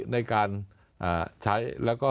ในการใช้แล้วก็